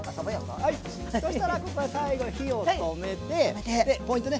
そしたらここは最後火を止めてでポイントね。